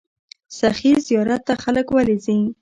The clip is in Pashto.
سخي زیارت ته خلک ولې ځي؟